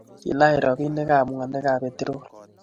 kilany robinikab mwanikab petrolit.